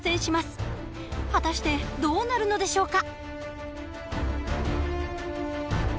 果たしてどうなるのでしょうか？